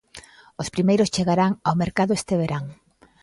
Os primeiros chegarán ao mercado este verán.